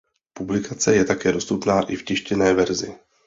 Publikace je také dostupná i v tištěné verzi.